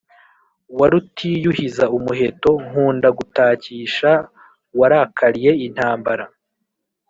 wa Rutiyuhiza umuheto nkunda gutakisha warakaliye intambara,